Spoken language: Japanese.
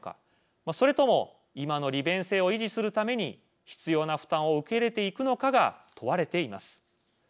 それとも今の利便性を維持するために必要な負担を受け入れていくのかが問われています。